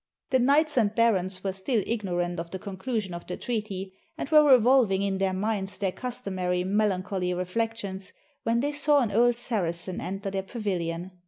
The knights and barons were still ignorant of the con clusion of the treaty, and were revolving in their minds their customary melancholy reflections, when they saw an old Saracen enter their pavilion.